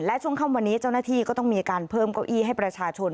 และช่วงค่ำวันนี้เจ้าหน้าที่ก็ต้องมีการเพิ่มเก้าอี้ให้ประชาชน